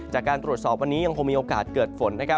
จากการตรวจสอบวันนี้ยังคงมีโอกาสเกิดฝน